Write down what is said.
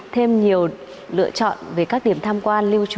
thêm nhiều lựa chọn về các điểm tham quan